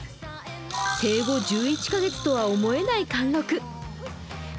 生後１１カ月とは思えない貫禄。